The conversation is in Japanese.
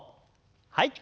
はい。